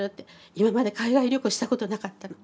今まで海外旅行したことなかったの。